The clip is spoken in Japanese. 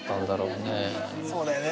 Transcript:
そうだよね